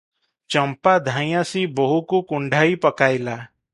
ଚମ୍ପା ଧାଇଁଆସି ବୋହୂକୁ କୁଣ୍ଢାଇ ପକାଇଲା ।